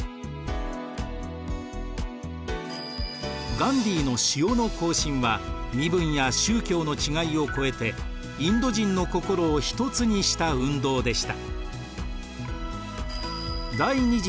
ガンディーの「塩の行進」は身分や宗教の違いを超えてインド人の心を一つにした運動でした。